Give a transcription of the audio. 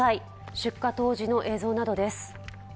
出火当時の映像などです。